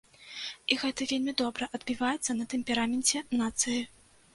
І гэта вельмі добра адбіваецца на тэмпераменце нацыі.